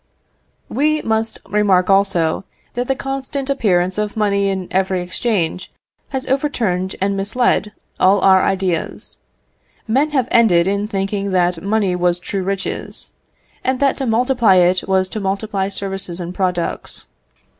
We must remark, also, that the constant appearance of money in every exchange has overturned and misled all our ideas: men have ended in thinking that money was true riches, and that to multiply it was to multiply services and products.